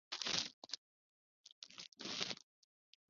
贞元十八年后垄之原。